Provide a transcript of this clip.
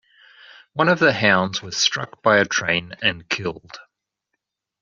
One of the hounds was struck by a train and killed.